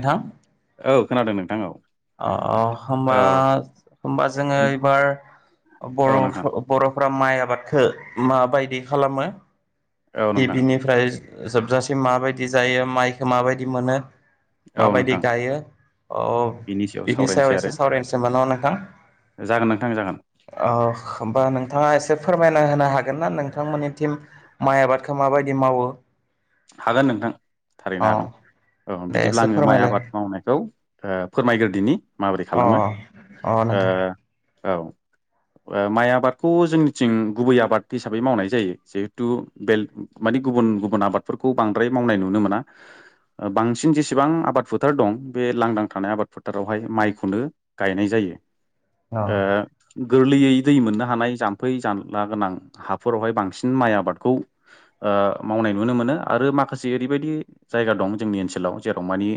आथां औ, खोनादों नोंथां औ। अह अह होनबा औ होनबा जोङो एबार औ नोंथां बर' बर' फ्रा माइ आबादखो माबायदि खालामो औ नोंथां गिबिनिफ्राय जोबजासिम माबायदि जायो माइखो माबायदि मोनो औ माबायदि नोंथां गायो अह बिनि सायाव एसे सावरायनोसै मोनना नोंथां? जागोन नोंथां जागोन अह होमबा नोंथाङा एसे फोरमायना होनो हाग् गोनना नोंथां मोनिथिम माइ आबादखौ माबायदि मावो? हागोन नोंथां थारैनो अ हागोन। औ दे बिदिब्ला एसे आङो माइ फोरमायलाय आबाद मावनायखौ ओ फोरमायगोर माबोरै अ खालामो अ ओ नोंथां औ। ओ माइ आबादखौ जोंनिथिं गुबै आबाद हिसाबै मावनाय जायो जिहेथु बेल माने गुबुन गुबुन आबादफोरखौ बांद्राय मावनाय नुनो मोना ओ बांसिन जेसेबां आबाद फोथार दं बे लांदां थानाय आबाद फोथारावहाय माइखौनो गायनाय जाय् यो अ ओ गोरलैयै दै मोननो हानाय जाम्फै जानला गोनां हाफोरावहाय बांसिन माइ आबादखौ ओ मावनाय नुनो मोनो आरो माखासे ओरैबायदि जायगा दं जोंनि ओनसोलाव जेराव मानि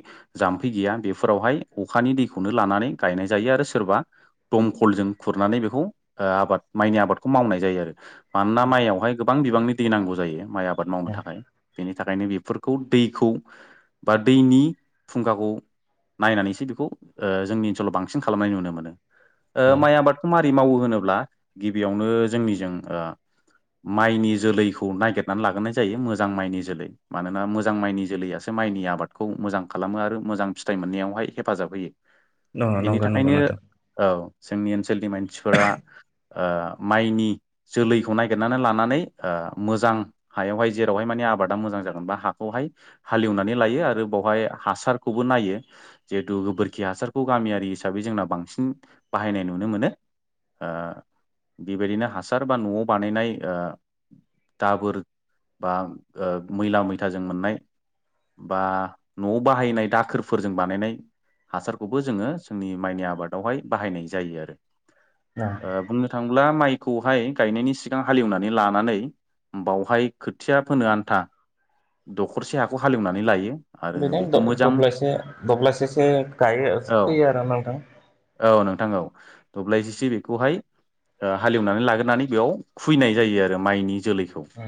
जाम्फै गैया बेफोरावहाय अ खानि दैखौनो लानानै गायनाय जायो आरो सोरबा दमखलजों खुरनानै बेखौ ओ आबाद माइनि आबादखौ मावनाय जायो आरो। मानोना माइयावहाय गोबां बिबांनि दै नांगौ जायो माइ आबाद मावनो थाखाय। बेनि थाखायनो बेफोरखौ दैखौ बा दैनि फुंखाखौ नायनानैसो बेखौ ओ जोंनि ओनसोलाव बांसिन खालामनाय नुनो मोनो ओ माइ आबादखौ मार ‌ [unintelligible] मावो होनोब्ला गिबियावनो जोंनिजों ओ माइनि जोलैखौ नागिरनानै लागोरनाय जायो मोज जां माइनि जोलै मानोना मोजां माइनि जोलैयासो माइनि आबादखौ मोजां खालामो आरो मोजां फिथाइ मोननायाव हाय हेफाजाब होयो बिनि नंगौ नंगौ थाखायनो नोंथां औ। जोंनि ओनसोलनि मानसिफोरा ओ माइनि जोलैखौ नागिरनानै लानानै ओ मोजां हायावहाय जेरावहाय माने आबादा मोजां जागोनबा हाखौहाय हालेवनानै लायो आरो बावहाय हासारखौबो नायो। जिहेथु गोबोरखि हासारखौ गामियारि हिसाबै जोंना बांसिन बाहायनाय नुनो मोनो। ओ बेबायदिनो हासार बा न'आव बानायनाय ओ दाबोर बा ओ मैला मैथाजों मोननाय बा न'आव बाहायनाय दाखोरफोरजों बानायनाय हासारखौबो जोङो जोंनि माइनि आबादावहाय बाहायनाय जायो आरो। ओ बुंनो थाङोब्ला माइ खौहाय गायनायनि सिगां हालेवनानै लानानै बावहाय खोथिया फोनो आन्था दखरसे हाखौ हालेवनानै लायो। आरो बेनो बेखौ मोजां द-दब्लायसे दब्लायसेसो गायो औ फोयो आरो नोंथां। औ नोंथां‌‌ औ दब्लाय सि बिखौहाय ओ हालेवनानै लाग्रोनानै बेयाव खुयनाय जायो आरो माइनि जोलैखौ अ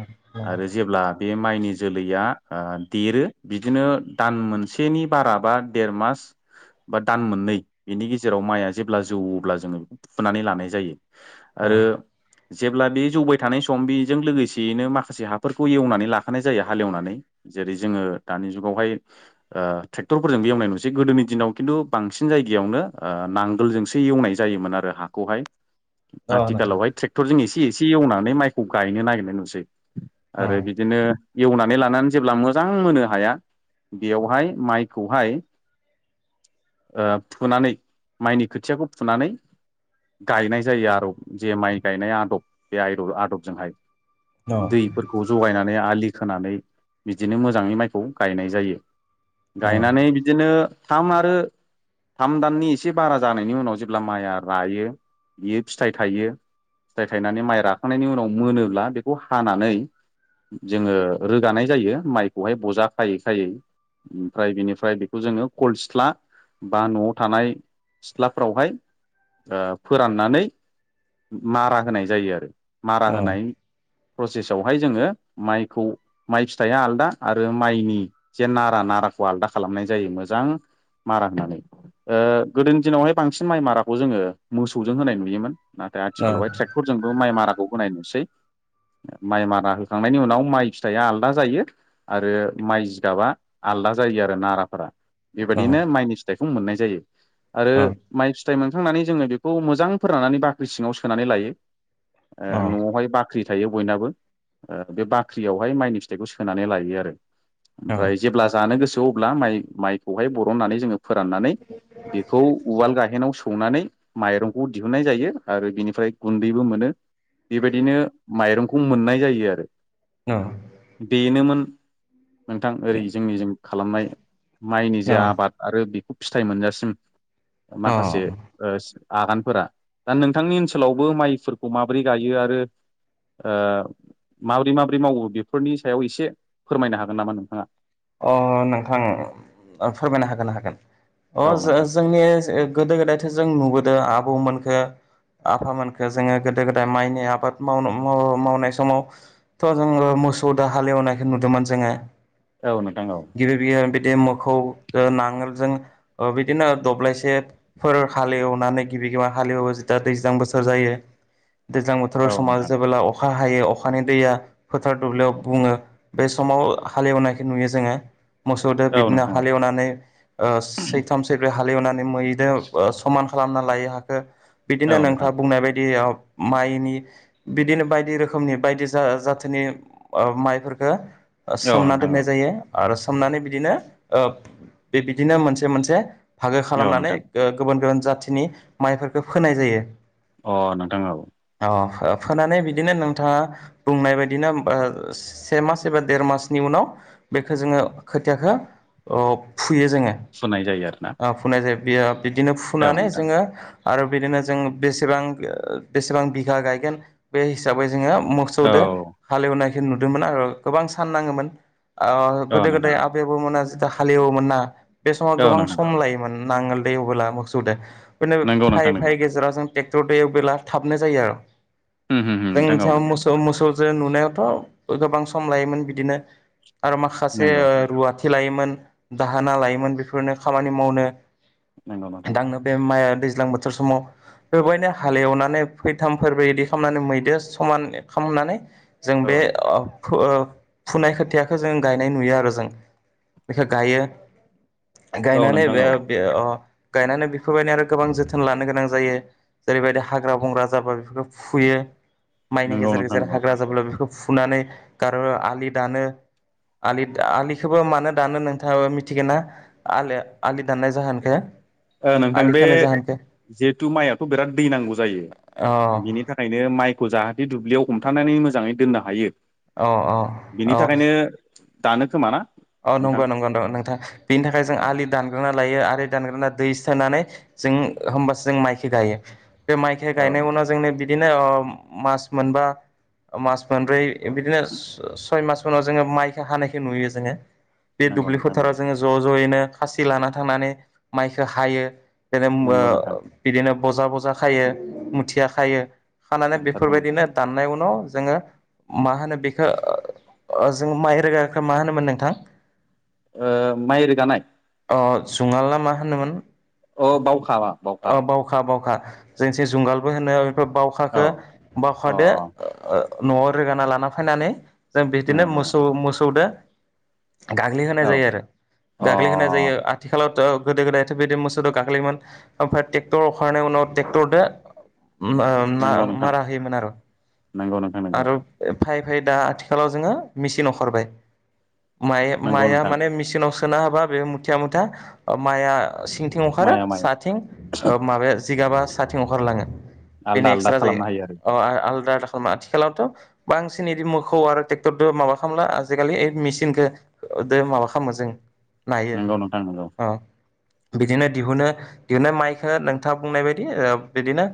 आरो जेब्ला बे माइनि जोलैया ओ देरो बिदिनो दान मोनसेनि बारा बा देर मास बा दान मोननै बिनि गेजेराव माइआ जेब्ला जौओ अब्ला जोङो फुनानै लानाय जायो। आरो नोंथां जेब्ला बे जौबाय थानाय सम बेजों लोगोसेयैनो मा से हाफोरखौ एवनानै लाखानाय जायो हालेवनानै जेरै जोङो दानि जुगावहाय ओ ट्रेक टरफोरजोंबो एवनाय नुसै गोदोनि दिनाव किन्तु बांसिन जायगायावनो ओ नांगोलजोंसो एवनाय जायोमोन आरो हा खौहाय अ आथिखालावहाय थ्रेक्टरजों इसे इसे एवनानै माइखौ गायनो नागिरनाय नुसै। आरो बिदिनो एवनानै लानानै जेब्ला मोजां मोनो हाया बेयावहाय माइखौहाय ओ फुनानै माइनि खोथियाखौ फुनानै गायनाय जायो आरब जे माइ गायनाय आदब बे आइदब आदबजोंहाय। अ दैफोरखौ जगायनानै आलि खोनानै बिदिनो मोजाङै माइखौ गायनाय जायो। अ अ गायनानै बिदिनो थाम आरो थाम दाननि इसे बारा जानायनि उनाव जेब्ला माइआ रायो बियो फिथाइ थायो फिथाइ थायनानै माइ राखांनायनि उनाव मोनोब्ला बेखौ हानानै जोङो रोगानाय जायो माइखौहाय बजा खायै खायै ओमफ्राय बिनिफ्राय बेखौ जोङो कल सिथ्ला बा न'आव थानाय सिथ्लाफोरावहाय ओ फोराननानै मारा होनाय जायो आरो मारा होनाय प्रसेसआवहाय जोङो माइखौ माइ फिथाइया आलदा आरो माइनि जे नारा - नाराखौ आलदा खालामनाय जायो मोजां मारा होनानै ओ गोदोनि दिनावहाय बांसिन माइ माराखौ जोङो मोसौजों होनाय नुयोमोन। नाथाय अ आथिखालावहाय थ्रेक्टरजोंबो माइ माराखौ होनाय नुसै। [inaudible] माइ मारा होखांनायनि उनाव माइ फिथाइया आलदा जायो आरो माइ जिगाबा आलदा जायो। [unintelligible] आरो नाराफोरा बेबायदिनो माइनि फिथाइखौ मोननाय जायो आरो माइ फिथाइ मोनखांनानै जोङो बेखौ मोजां फोराननानै बाख्रि सिङाव सोनानै लायो ओ न'आवहाय बा ख्रि थायो बयनाबो ओ बे बाख्रियावहाय माइनि फिथाइखौ सोनानै लायो आरो। ओमफ्राय जेब्ला जानो गोसो अब्ला माइ माइखौहाय बर'ननानै जोङो फोराननानै बेखौ उवाल गाहेनाव सौ [unintelligible] नानै माइरंखौ दिहुननाय जायो आरो बिनिफ्राय गुन्दैबो मोनो बेबायदिनो माइरंखौ मोननाय जायो आरो। बेनोमोन नोंथां ओरै जोंनि जों खालामनाय माइनि जे अ आबाद आरो बे फिथाइ मोनजासिम अ माखासे ओ आगानफोरा। दा नोंथांनि ओनसोलावबो माइफोरखौ माबोरै गायो आरो ओ माब्रै माब्रै मावो बेफोरनि सायाव एसे फोरमायनो हागोन नामा नोंथाङा? अ नोंथां फोरमायनो हागोन हागोन। अ औ नोंथां जो-जोंनि गोदो गोदायथो जों नुबोदों आबौमोनखो आफामोनखो जोङो गोदो गोदाय माइनि आबाद मावनो माव-मावनाय समाव। थ' जोङो मोसौ दा हालेवनायखौ नुदोंमोन जोङो। औ नोंथां औ। बे मोखौ ओ नांगोलजों ओ बिदिनो दब्लायसेफोर हालेवनानै गिर [unintelligible] हालेवो जे दा दैज्लां बोसोर जायो। दैज्लां बोथोराव औ समा नोंथां जेबोब्ला अ खा हायो अखानि दैया फोथार दुब्लियाव बुङो बे समाव हालेवनाय नुयो जोङो। मोसौदो औ बिदिनो नोंथां औ हालेवनानै ओ सैथाम सैब्रै हालेवनानै मैदो ओ समान खालामना लायो हाखो। बिदिनो औ नोंथां नोंथाङा बुंनाय बायदियाव माइनि बिदिनो बायदि रोखोमनि बायदि जा-जाथोनि ओ माइफोरखो ओ औ सोमना नोंथां औ दोननाय जायो आरो सोमनानै बिदिनो ओ बे बिदिनो मोनसे मोनसे बाहागो औ खालामनानै नोंथां गुबुन गुबुन जाथिनि माइफोरखो फोनाय जायो। अ नोंथां औ। अ फोनानै बिदिनो नोंथाङा बुंनाय बायदिनो ओ से मास एबा देर मासनि उ नाव बेखो जोङो खोथियाखो अ फुयो जोङो। फुनाय जायो आरोना ओ फुनाय जायो बेयो बिदिनो औ फुनानै नोंथां जोङो आरो बिदिनो जों बेसेबां बेसेबां बिघा गायगोन बे हिसाबै जोङो औ मोसौदो हालेवनायखो नुदोंमोन आरो गोबां सान नाङोमोन। ओ औ गोदो नोंथां गोदाय आबै आबौमोना जिथु हालेवोमोनना बे समाव औ गोबां नोंथां सम लायोमोन। नांगोलदो एवबोला मोसौदो। बिनो नंगौ फाय नोंथां नंगौ फाय गेजेराव जों ट्रेक्टरदो एयावबेला थाबनो जायो आर'। जों नोंथां औ जाव नंगौ मोसौ-मोसौ जों नुनायावथ' गोबां सम लायोमोन बिदिनो आरो माखासे नंगौ ओ रुवाथि लायोमोन दाहोना लायोमोन बेफोरनो खामानि मावनो नंगौ नोंथां दांनो बे माइ दैज्लां बोथोर समाव। बेबायनो हालेवनानै फैथाम फोरबो बिदि खालामनानै मैदो समान खामनानै जों औ बे नोंथां ओ फुनाय खोथिया खो जों गायनाय नुयो आरो जों बेखो गायो। औ गायनानै नोंथां बे औ बे अ गायनानै बेफोरबायनो आरो गोबां जोथोन लानो गोनां जायो जेरैबायदि हाग्रा बंग्रा जाबा बेफोरखौ फुयो। माइनि नंगौ गेजेर नोंथां गेजेर नंगौ हाग्रा जाब्ला बेखौ फुनानै गारो आलि दानो। आलि आलिखौबो मानो दानो नोंथाङाबो मिथिगोन ना आलि आलि दाननाय जाहोनखो? ओ नोंथां आलि बे खोनाय जाहोनखो जिहेथु माइआथ' बिराद दै नांगौ जायो अ बिनि थाखायनो माइखौ जाहाथे दुब्लियाव हमथानानै मोजाङै दोननो हायो अ अ बिनि अ औ। थाखायनो दानो खोमाना? औ नंगौ नंगौगौ नोंथां। बेनि थाखाय जों औ आलि दानग्रोना लायो आरो दानग्रोना दै सोनानै जों होमबासो जों माइखो गायो। बे माइखो औ गायनाय नोंथां उनाव जोंनि बिदिनो मास मोनबा मास मोनब्रै बिदिनो सय मास उनाव जोङो माइखो हानायखो नुयो जोङो। बे नंगौ दुब्लि नोंथां फोथाराव नंगौ जोङो ज' ज'यैनो खासि लानानानै थांनानै माइखो हायो। बिदिनो नंगौ नोंथां ओ बिदिनो बजा बजा खायो मुथिया खायो। खानानै नंथारगौ नोंथां बेफोरबायदिनो दाननाय उनाव जोङो मा होनो बेखो जों माइ रोग्राखौ मा होनोमोन नोंथां? ओ माइ रोगानाय अ जुंङाल मा होनोमोन? अ बाउखा‌ बाउखा। अ बावखा बावखा जोंसे जुंगालबो होनो [unintelligible] औ बाउखाखो अ बाउखादो न'आव रोगाना लाना फैनानै जों बिदिनो नंगौ नंगौ मोसौ मोसौदो, गाग्लिहोनाय जायो औ आरो अ गाग्लिहोनाय जायो, आथिखालाव गोदो गोदायथ' बिदि मोसौदो गाग्लियोमोन ओमफ्राय ट्रेक्टर अखारनायनि उनाव ट्रेक्टरदो मा मा मारा होयोमोन आरो। नांगौ नोंथां नोंगौ। फै फै दा आथिखालाव जोङो मेचनाव ओंखारबाय नंगौ माइआ नोंथां माने मेचनाव सो खोना होबा बे मुथिया मुथा माइआ सिंथिं ओंखारो माइया माइ साथिं ओ माबाया जिगाबा साथिं ओंखारलाङो बेनो आलदा आलदा एक्सट्रा खालामनो हायो आरो जायो आलदा आद आथिखालावथ' बांसिन इदि मोखौ आरो ट्रेक्टरजों माबा खालामला आजिखालि मेसिनखौ माबा खालामो जों नायो नोंगौ नोंथां नोंगौ। अ बिदिनो दिहुनो दिहुनाय माइखो नोंथाङा बुंनाय बायदि बिदिनो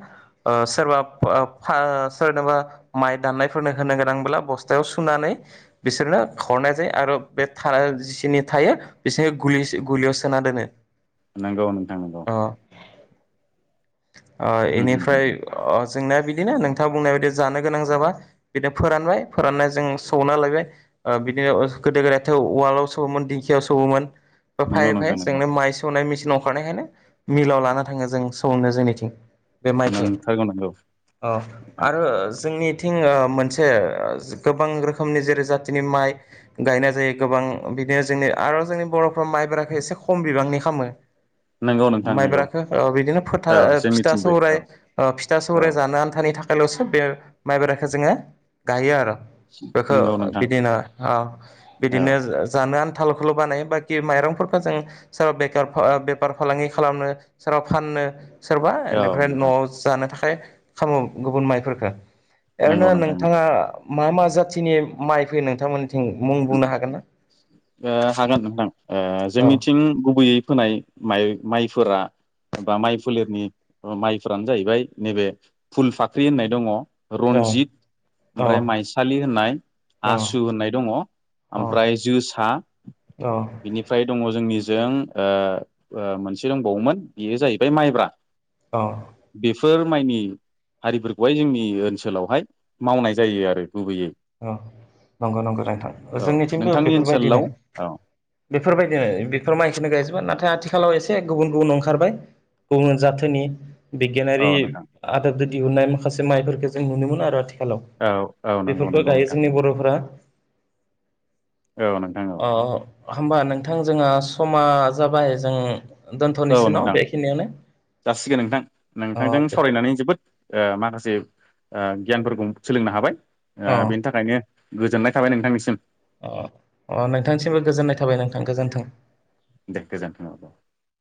सोरबा [unintelligible] सोरनोबा माइ दान्नायफोरनो होनो गोनांब्ला बस्थायाव सुनानै बिसोरनो खरनाय जायो आरो बे [unintelligible] जिसिनि थायो बिसोरनि गुलि गुलियाव सोना दोनो। नंगौ नोंथां नंगौ। अ ओ इनिफ्राय अ जोंना बिदिनो नोंथाङा बुंनाय बायदि जानो गोनां जिबा बिदा फोरबाय फोरना जों सौना लायबाय ओ बिदिनो गोदो गोदाय थौ उवाल आव सौवहोमोन दिंखियाव सौवहोमोन नंगौ पाइ पाइ नोंथां नंगौ जोंनो माइ सौवनाय मेस [unintelligible] खारनायखायनो मिलाव लाना थाङो जों सनो जोंनिथिं। बे माइखो नोंथारगौ नंगौ औ नोंथां आरो जोंनिथिं ओ, मोनसे गोबां रोखोमनि जेरै जाथिनि माइ गायनाय जायो गोबां [unintelligible] बिदिनो जोंनि आरो जोंनि बर'फाव माइब्राखौ एसे खम बिबांनि खालामो। नंगौ‌ नो माइब्रााखो ओ बिदिनो फोथा फिथा जोंनिथिंबो सौराय औ फिथा औ सौराय जानो आन्थानि थाखाय खालावसो बे माइबरखौ जोङो गायो आरो। बेखो नंगौ नोंथां बिदिनो ओ औ बिदिनो जानो आ था खौल' बानायो बाखि माइरंफोरखौ जों [unintelligible] बे बेफार फालांगि खालामनो सोराव फाननो सोरबा औ ओनिफ्राय नोंथां न'आव जानो थाखाय खामो गुबुन माइफोरखो। ओरैनो नंगौ नोंथां नोंथाङा मा मा जाथिनि माइ फैयो नोंथांमोन हागोन नोंथां ओ औ जोंनिथिं गुबैयै फोनाय माइ माइफोरा बा माइ फोलेरनि माइफोरानो जाहैबाय नैबे फुल फाख्रि होननाय दङ, औ रन्जित औ ओमफ्राय माइसालि होननाय आसु होननाय दङ, ओमफ्राय औ जोसा औ बिनिफ्राय दङ जोंनि जों ओ ओ मोनसे दंबावोमोन बेयो जाहैबाय माइब्रा औ फोर माइनि हारिफोरखौहाय जोंनि ओनसोलावहाय मावनाय जायो आरो गुबैयै औ नंगौ नंगौ नोंथां, औ जोंनिथिंबो नोंथांनि बेफोरबायदिनो ओनसोलाव औ बेफोरबायदिनो बेफोर माइखोनो गायजोबा नथाय आथिखालाव एसे गुबुन गुबुन ओंखारबाय गुबुन जााथोनि औ बिगियानारि नोंथां आदबजों दिहुननाय माखासे माइफोरखौ जों नुनो मोन आरो आथि औ औ नंगौ बेफोरखौ नंगौ गायो नोंथां जोंनि बर'फोरा औ नोंथां औ अ होमबा नोंथां जोंहा समा जाबाय जों औ दोन्थ'निसै नाव नोंथां बेखिनियावनो जासिगोन नोंथां अ नोंथांजों दे सावरायनानै जोबोद माखासे गियानफोरखौ सोलोंनो हाबाय अ बेनि थाखायनो गोजोननाय थाबाय नोंथांनिसिम अ अ नोंथांसिमबो गोजोननाय थाबाय नोंथां गोजोन्थों दे गोजोनथों